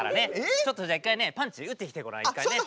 ちょっとじゃあ一回ねパンチ打ってきてごらん一回ね。